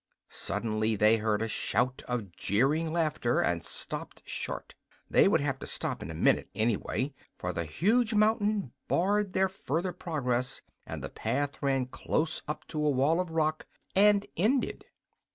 Suddenly they heard a shout of jeering laughter, and stopped short. They would have to stop in a minute, anyway, for the huge mountain barred their further progress and the path ran close up to a wall of rock and ended.